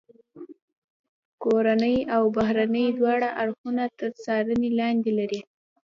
کورني او بهرني دواړه اړخونه تر څارنې لاندې لري.